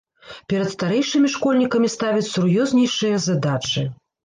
Перад старэйшымі школьнікамі ставяць сур'ёзнейшыя задачы.